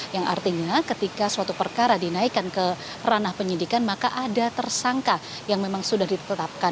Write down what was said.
yang artinya ketika suatu perkara dinaikkan ke ranah penyidikan maka ada tersangka yang memang sudah ditetapkan